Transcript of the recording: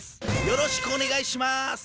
よろしくお願いします。